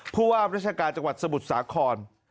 ผู้ว่าราชการจังหวัดสมุทรสาคร